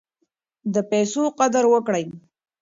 د پیسو قدر وکړئ.